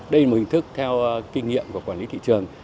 đây là một hình thức theo kinh nghiệm của quản lý thị trường